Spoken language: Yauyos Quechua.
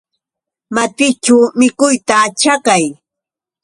Matićhu mikuyta chakay.